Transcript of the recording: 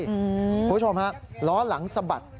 คุณผู้ชมฮะล้อหลังสะบัด